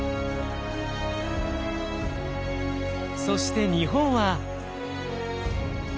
そして日本は。